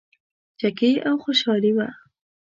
چکې او خوشحالي وه.